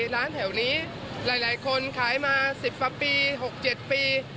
ร้านแถวนี้หลายคนขายมา๑๐กว่าปี๖๗ปี